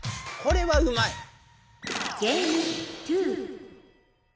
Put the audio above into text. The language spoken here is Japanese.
これはうまい！